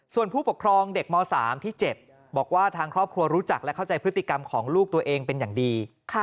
ส่วนผู้ปกครองเด็กม๓ที่เจ็บบอกว่าทางครอบครัวรู้จักและเข้าใจพฤติกรรมของลูกตัวเองเป็นอย่างดี